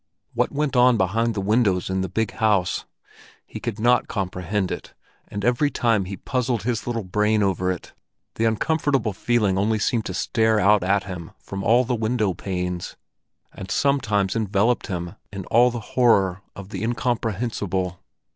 What went on behind the windows in the big house? He could not comprehend it, and every time he puzzled his little brain over it, the uncomfortable feeling only seemed to stare out at him from all the window panes, and sometimes enveloped him in all the horror of the incomprehensible.